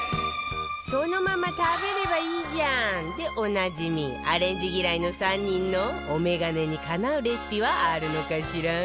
そのまま食べればいいじゃんでおなじみアレンジ嫌いの３人のお眼鏡にかなうレシピはあるのかしら？